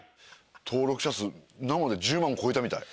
登録者数生で１０万超えたみたい。